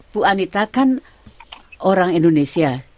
bu anita kan orang indonesia